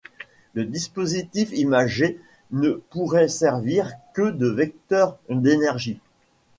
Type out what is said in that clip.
Le dispositif imaginé ne pourrait servir que de vecteur d’énergie.